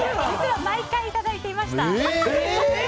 実は毎回いただいていました。